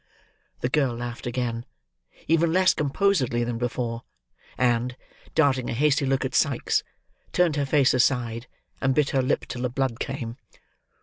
The girl laughed again: even less composedly than before; and, darting a hasty look at Sikes, turned her face aside, and bit her lip till the blood came.